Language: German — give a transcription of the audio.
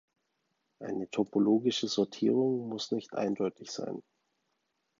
Eine topologische Sortierung muss nicht eindeutig sein.